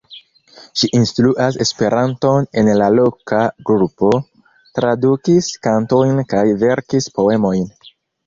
Ŝi instruas Esperanton en la loka grupo, tradukis kantojn kaj verkis poemojn.